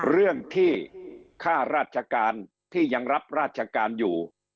เรื่องที่ค่าราชการที่ยังรับราชการอยู่